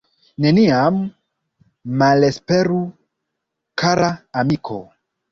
Neniam malesperu kara amiko.